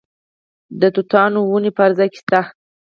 د توتانو ونې په هر ځای کې شته.